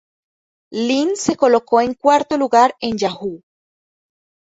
Lin se colocó en cuarto lugar en Yahoo!